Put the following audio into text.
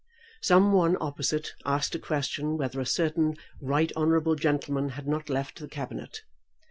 Some one opposite asked a question whether a certain right honourable gentleman had not left the Cabinet.